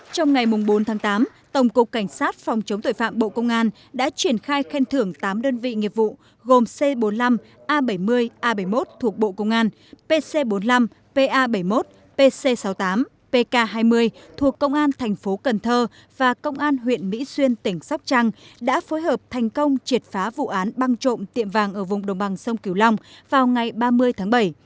trong ngày bốn tháng tám tổng cục cảnh sát phòng chống tội phạm bộ công an đã triển khai khen thưởng tám đơn vị nghiệp vụ gồm c bốn mươi năm a bảy mươi a bảy mươi một thuộc bộ công an pc bốn mươi năm pa bảy mươi một pc sáu mươi tám pk hai mươi thuộc công an thành phố cần thơ và công an huyện mỹ xuyên tỉnh sóc trăng đã phối hợp thành công triệt phá vụ án băng trộm tiệm vàng ở vùng đồng bằng sông cửu long vào ngày ba mươi tháng bảy